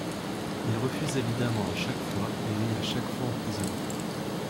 Il refuse évidemment à chaque fois et est à chaque fois emprisonné.